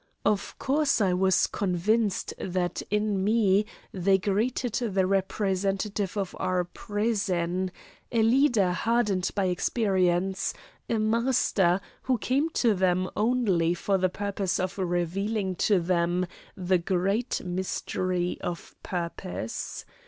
Of course I was convinced that in me they greeted the representative of our prison, a leader hardened by experience, a master, who came to them only for the purpose of revealing to them the great mystery of purpose.